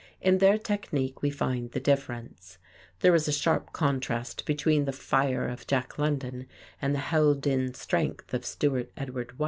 In their technique we find the difference. There is a sharp contrast between the fire of Jack London and the held in strength of Stewart Edward White.